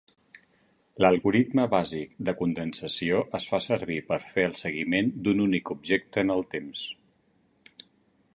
L'algoritme bàsic de condensació es fa servir per fer el seguiment d'un únic objecte en el temps